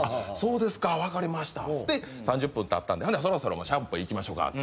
「そうですか分かりました」っつって３０分たったんでほなそろそろシャンプー行きましょか。